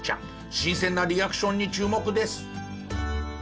新鮮なリアクションに注目です。